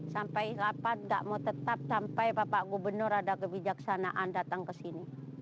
sampai lapar tidak mau tetap sampai bapak gubernur ada kebijaksanaan datang ke sini